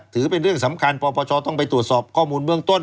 ถือเป็นเรื่องสำคัญปปชต้องไปตรวจสอบข้อมูลเบื้องต้น